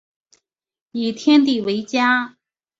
以天地为家